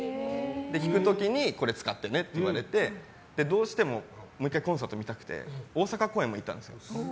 弾く時にこれ使ってねって言われてどうしても、もう１回コンサートが見たくて大阪公演も行ったんですよ。